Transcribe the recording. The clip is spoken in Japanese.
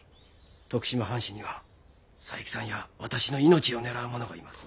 徳島藩士には佐伯さんや私の命を狙う者がいます。